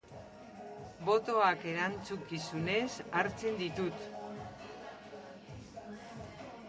Botoak erantzukizunez hartzen ditut.